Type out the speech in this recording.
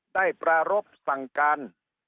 ประรบสั่งการ